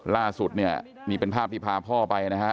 ล่าสุดเนี่ยนี่เป็นภาพที่พาพ่อไปนะฮะ